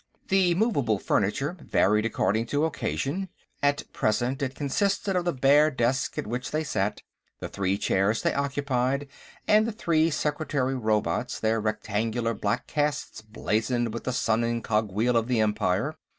The movable furniture varied according to occasion; at present, it consisted of the bare desk at which they sat, the three chairs they occupied, and the three secretary robots, their rectangular black casts blazened with the Sun and Cogwheel of the Empire.